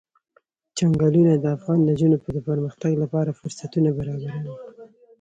چنګلونه د افغان نجونو د پرمختګ لپاره فرصتونه برابروي.